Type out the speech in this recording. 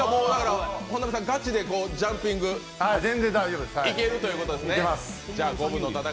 本並さん、ガチでジャンピング、いけるということですね。